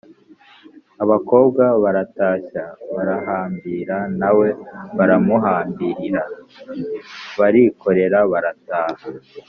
abakobwa baratashya barahambira, na we baramuhambirira barikorera barataha.